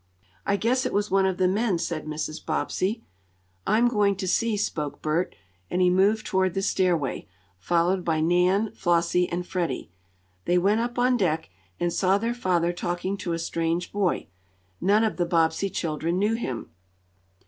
"I guess it was one of the men," said Mrs. Bobbsey. "I'm going to see," spoke Bert, and he moved toward the stairway, followed by Nan, Flossie and Freddie. They went up on deck and saw their father talking to a strange boy. None of the Bobbsey children knew him.